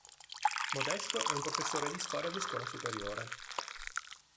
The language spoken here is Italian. Modesto è un professore di storia di scuola superiore.